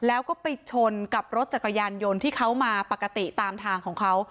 แล้วก็ไปชนกับรถจักรยานยนต์ที่เขามาปกติตามทางของเขา